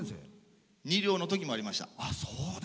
２両のときもありました。